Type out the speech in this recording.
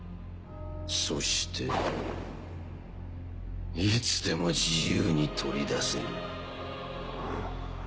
そしていつでも自由に取り出せる。